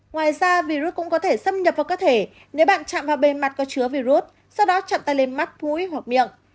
ngoài ra virus cũng có thể xâm nhập vào cơ thể nếu bạn chạm vào bề mặt có chứa virus sau đó chạm tay lên mắt mũi hoặc miệng